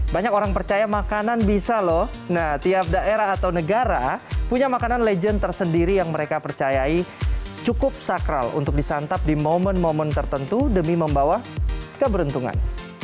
banyak orang percaya makanan bisa loh nah tiap daerah atau negara punya makanan legend tersendiri yang mereka percayai cukup sakral untuk disantap di momen momen tertentu demi membawa keberuntungan